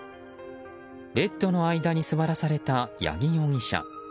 ベッドの間に座らされた八木容疑者。